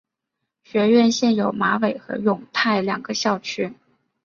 学院现有马尾和永泰两个校区。